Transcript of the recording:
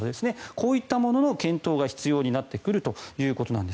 こういったものの検討が必要になってくるということなんです。